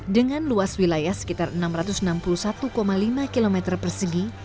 dengan luas wilayah sekitar enam ratus enam puluh satu lima km persegi